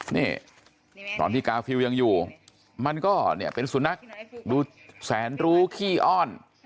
นี่ตอนที่กาฟิลยังอยู่มันก็เนี่ยเป็นสุนัขดูแสนรู้ขี้อ้อน